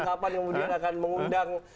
kapan yang akan mengundang